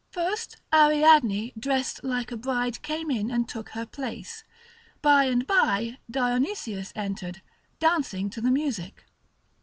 First Ariadne dressed like a bride came in and took her place; by and by Dionysius entered, dancing to the music.